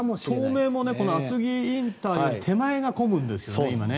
東名も厚木ＩＣよりも手前が混むんですよね、今ね。